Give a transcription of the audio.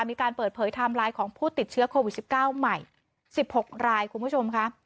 มีการเปิดเผยไทม์ไลน์ของผู้ติดเชื้อโควิด๑๙ใหม่๑๖รายคุณผู้ชมค่ะ